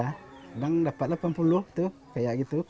kadang dapat delapan puluh tuh kayak gitu